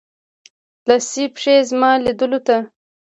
لڅي پښې زما لیدولو ته